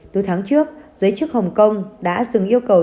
từ tháng trước giới chức hồng kông đã dừng yêu cầu